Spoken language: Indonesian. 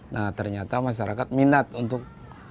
nah ternyata masyarakat minat untuk menggunakan pam